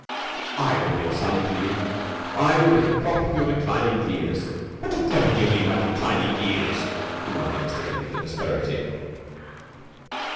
"I will be a son to you! I will be the prop of your declining years...." "What the devil do you mean, my declining years?" demanded Mr. Bennett with asperity.